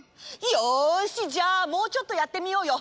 よしじゃあもうちょっとやってみようよ！